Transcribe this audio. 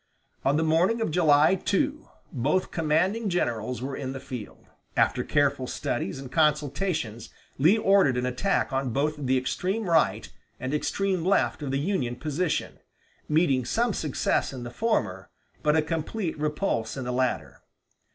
On the morning of July 2, both commanding generals were in the field. After careful studies and consultations Lee ordered an attack on both the extreme right and extreme left of the Union position, meeting some success in the former, but a complete repulse in the latter.